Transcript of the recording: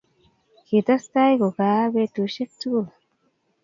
kitestai kukaaa betusiek tugul